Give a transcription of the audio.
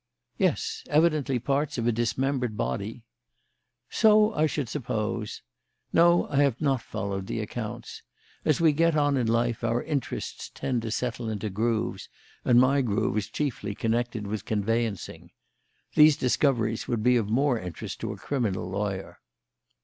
"Yes; evidently parts of a dismembered body." "So I should suppose. No, I have not followed the accounts. As we get on in life our interests tend to settle into grooves, and my groove is chiefly connected with conveyancing. These discoveries would be of more interest to a criminal lawyer."